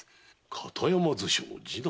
片山図書の次男？